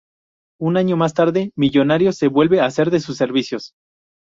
Un año más tarde, Millonarios se vuelve a hacer de sus servicios.